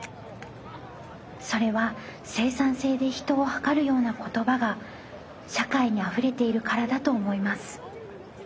それは生産性で人をはかるような言葉が社会にあふれているからだと思います。